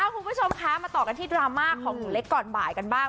คุณผู้ชมคะมาต่อกันที่ดราม่าของหนูเล็กก่อนบ่ายกันบ้าง